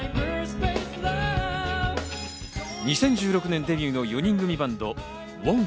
２０１６年デビューの４人組バンド・ＷＯＮＫ。